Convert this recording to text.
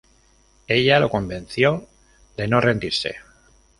Ella lo convenció de no rendirse.